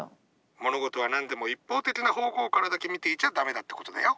物事は何でも一方的な方向からだけ見ていちゃ駄目だってことだよ。